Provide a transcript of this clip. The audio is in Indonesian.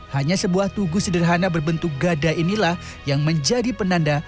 hanya sebuah tugu sederhana berbentuk gada inilah yang menjadi penanda